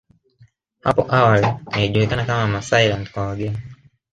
Hapo awali ilijulikana kama Maasailand kwa wageni